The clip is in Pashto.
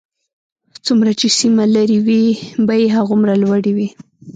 څومره چې سیمه لرې وي بیې هغومره لوړې وي